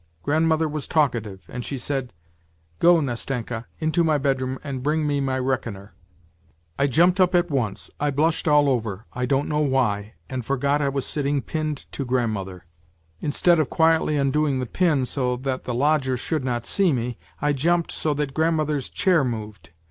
Grandmother was talkative, and she said :' Go, Nastenka, into my bedroom and bring me my reckoner.' I jumped up at once ; I blushed all over, I don't know why, and forgot I was sitting pinned to grandmother; instead of quietly undoing the pin, so that the lodger should not see I jumped so that grandmother's chair moved.